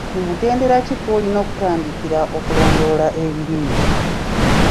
Ku mutendera ki kw'olina okutandikira okulondoola ebirime?